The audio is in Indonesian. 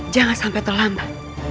jangan sampai terlambat